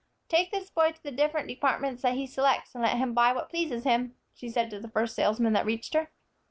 "Take this boy to the different departments that he selects, and let him buy what pleases him," she said to the first salesman that reached her.